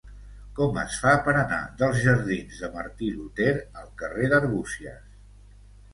Com es fa per anar dels jardins de Martí Luter al carrer d'Arbúcies?